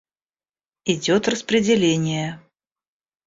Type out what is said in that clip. Идёт распределение.